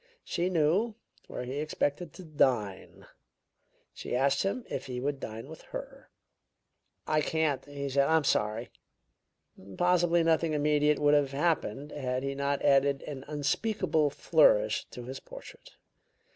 She knew where he expected to dine; she asked him if he would dine with her. "'I can't,' he said. 'I'm sorry ' "Possibly nothing immediate would have happened had he not added an unspeakable flourish to his portrait.